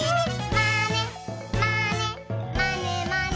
「まねまねまねまね」